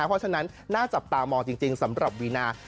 เพราะฉะนั้นน่าจับตามองจริงสำหรับวีนา